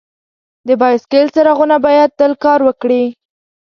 د بایسکل څراغونه باید تل کار وکړي.